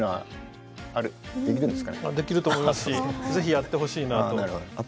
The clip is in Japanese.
できると思いますし是非やってほしいなあと。